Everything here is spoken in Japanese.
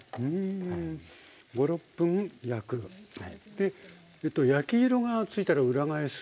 で焼き色がついたら裏返す。